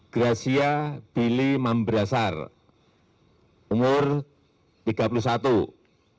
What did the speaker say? gracia billy mambrasar umur tiga puluh satu tahun